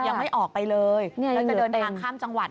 ยังไม่ออกไปเลยนี่ยังเหลือเต็มเราจะเดินทางข้ามจังหวัด